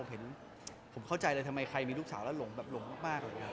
ผมเข้าใจเลยทำไมใครมีลูกสาวแล้วหลงมาก